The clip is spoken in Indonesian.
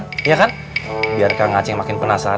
berarti entin pacaran sama mbak yadi hanya untuk pengalihannya isu kan